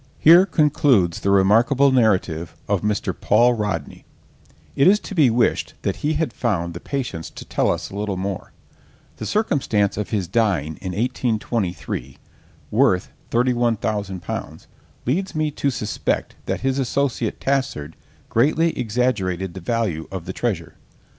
Here concludes the remarkable narrative of Mr. Paul Rodney. It is to be wished that he had found the patience to tell us a little more. The circumstance of his dying in 1823, worth 31,000_l._, leads me to suspect that his associate Tassard greatly exaggerated the value of the treasure.